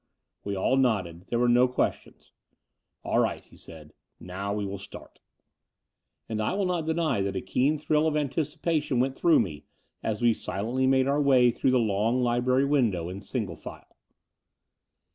We all nodded. There were no questions. "All right," he said. "Now we will start." The Dower House 287 And I will not deny that a keen thrill of anti cipation went through me as we silently made our way through the long library window in single file.